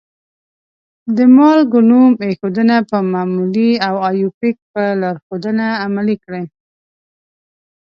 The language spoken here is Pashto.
د مالګو نوم ایښودنه په معمولي او آیوپک په لارښودنه عملي کړئ.